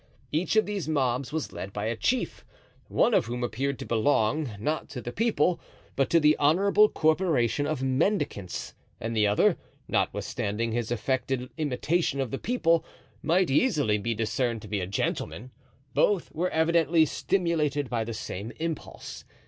Each of these mobs was led by a chief, one of whom appeared to belong, not to the people, but to the honorable corporation of mendicants, and the other, notwithstanding his affected imitation of the people, might easily be discerned to be a gentleman. Both were evidently stimulated by the same impulse.